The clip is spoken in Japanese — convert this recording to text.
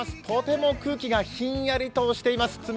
とても空気がヒンヤリとしています。